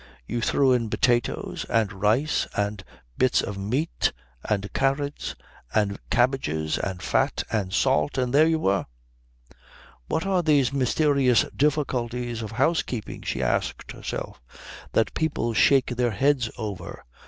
You threw in potatoes and rice and bits of meat and carrots and cabbages and fat and salt, and there you were. What are these mysterious difficulties of housekeeping, she asked herself, that people shake their heads over?